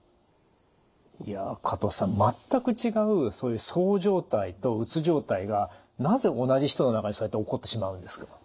いや加藤さん全く違うそう状態とうつ状態がなぜ同じ人の中でそうやって起こってしまうんですか？